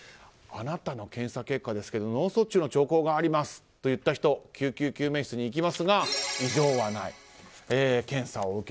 あなたの検査結果ですけど脳卒中の兆候がありますよといった人救急救命室に行きますが異常はない。